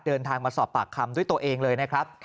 เดินทางมาสอบปากคำด้วยตัวเองเลยนะครับ